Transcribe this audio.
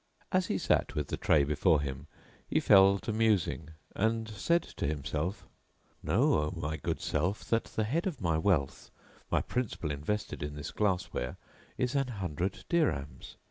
As he sat with the tray before him he fell to musing and said to himself, "Know, O my good Self, that the head of my wealth, my principal invested in this glass ware, is an hundred dirhams.